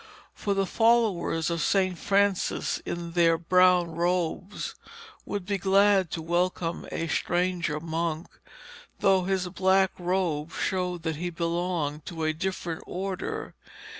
For the followers of St. Francis in their brown robes would be glad to welcome a stranger monk, though his black robe showed that he belonged to a different order.